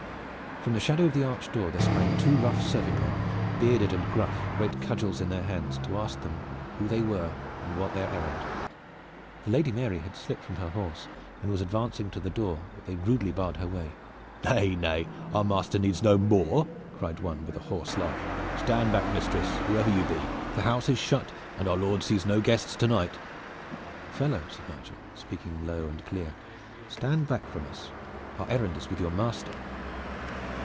From the shadow of the arched door there sprang two rough serving men, bearded and gruff, great cudgels in their hands, to ask them who they were and what their errand. The Lady Mary had slipped from her horse and was advancing to the door, but they rudely barred her way. "Nay, nay, our master needs no more!" cried one, with a hoarse laugh. "Stand back, mistress, whoever you be! The house is shut, and our lord sees no guests to night." "Fellow," said Nigel, speaking low and clear, "stand back from us! Our errand is with your master."